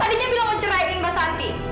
tadinya bilang mencerai mbak santi